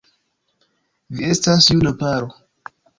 Vi estas juna paro.